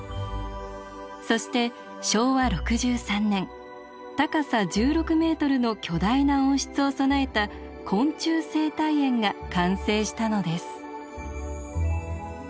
そして昭和６３年高さ１６ｍの巨大な温室を備えた昆虫生態園が完成したのです。